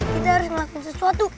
kita harus ngelakuin sesuatu